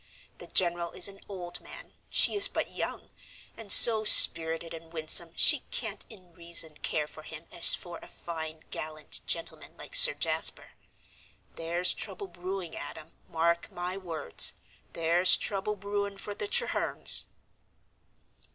The general is an old man, she is but young, and so spirited and winsome she can't in reason care for him as for a fine, gallant gentleman like Sir Jasper. There's trouble brewing, Adam, mark my words. There's trouble brewing for the Trehernes."